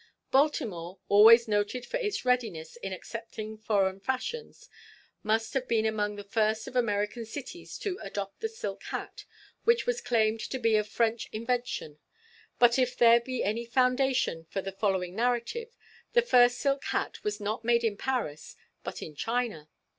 Baltimore, always noted for its readiness in accepting foreign fashions, must have been among the first of American cities to adopt the silk hat, which was claimed to be of French invention, but if there be any foundation for the following narrative, the first silk hat was not made in Paris, but in China.